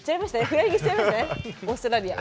フライングしちゃいましたねオーストラリア。